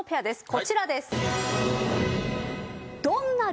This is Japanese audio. こちらです。